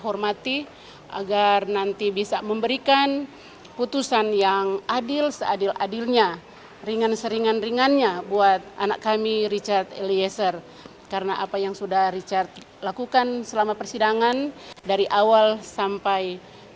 semoga yang terbaik kami berharapkan yang paling terbaik dan paling baik untuk keputusannya nanti